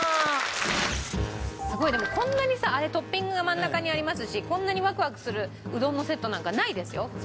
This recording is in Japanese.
すごいでもこんなにさトッピングが真ん中にありますしこんなにワクワクするうどんのセットなんかないですよ普通。